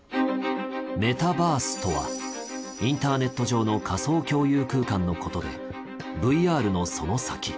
メタバースとはインターネット上の仮想共有空間のことでＶＲのその先。